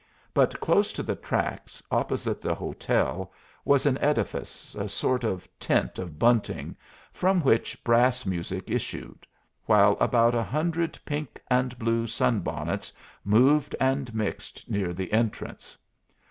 But close to the tracks, opposite the hotel, was an edifice, a sort of tent of bunting, from which brass music issued, while about a hundred pink and blue sun bonnets moved and mixed near the entrance.